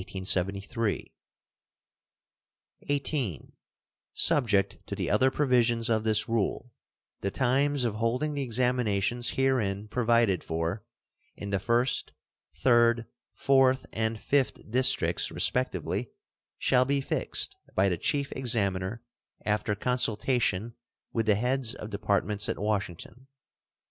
(18) Subject to the other provisions of this rule, the times of holding the examinations herein provided for in the first, third, fourth, and fifth districts, respectively, shall be fixed by the chief examiner after consultation with the heads of Departments at Washington.